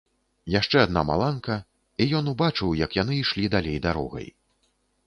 Яшчэ адна маланка, і ён убачыў, як яны ішлі далей дарогай.